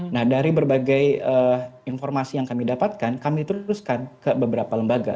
nah dari berbagai informasi yang kami dapatkan kami teruskan ke beberapa lembaga